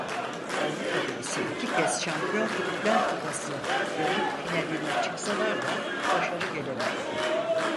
Avrupa'da ise iki kez Şampiyon Kulüpler Kupası yarı finaline çıksalar da başarı gelemedi.